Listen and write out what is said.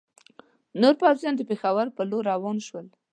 نور پوځیان د پېښور پر لور روان شول.